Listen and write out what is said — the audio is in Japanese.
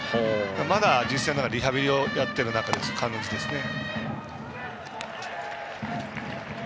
まだ実戦でリハビリをやっている感じですね。